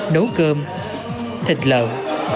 nấu cơm thịt lợn